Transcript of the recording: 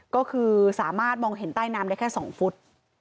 ก็คือสามารถมองเห็นใต้น้ำได้แค่๒ฟุต